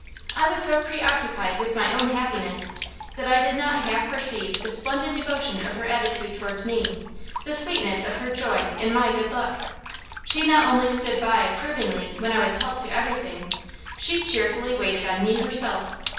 I was so preoccupied with my own happiness that I did not half perceive the splendid devotion of her attitude towards me, the sweetness of her joy in my good luck. She not only stood by approvingly when I was helped to everything; she cheerfully waited on me herself.